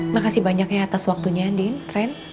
makasih banyak ya atas waktunya andin tren